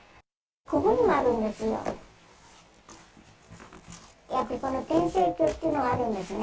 ここにもあるんですよ。